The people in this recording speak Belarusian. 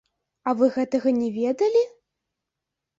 А вы гэтага не ведалі?